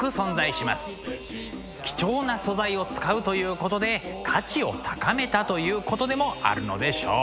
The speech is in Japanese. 貴重な素材を使うということで価値を高めたということでもあるのでしょう。